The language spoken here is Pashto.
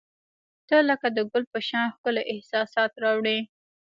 • ته لکه د ګل په شان ښکلي احساسات راوړي.